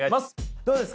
どうですか？